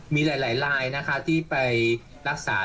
มีหลายรายที่ไปรักษา